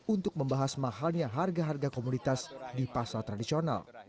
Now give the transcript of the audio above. untuk membahas mahalnya harga harga komoditas di pasar tradisional